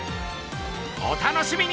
お楽しみに！